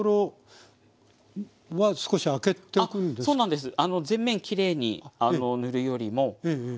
そうなんです。